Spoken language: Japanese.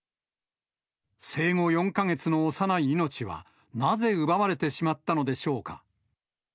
生後４か月の幼い命は、なぜ奪われてしまったのでしょうか。